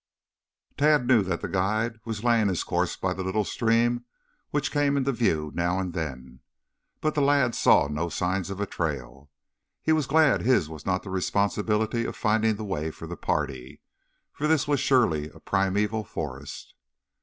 Tad knew that the guide was laying his course by the little stream which came into view now and then, but the lad saw no signs of a trail. He was glad his was not the responsibility of finding the way for the party, for this was surely a primeval forest.